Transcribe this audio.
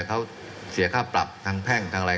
เขาเสียค่าปรับทางแพ่งทางอะไร